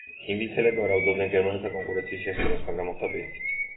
ინგლისელები ვარაუდობდნენ გერმანელთა კონკურენციის შესუსტებას, მაგრამ მოხდა პირიქით.